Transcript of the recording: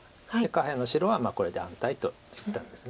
下辺の白はこれで安泰と言ったんです。